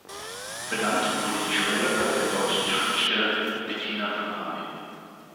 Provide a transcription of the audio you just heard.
Benannt wurde die Schule nach der deutschen Schriftstellerin Bettina von Arnim.